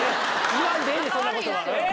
言わんでええねんそんな事は。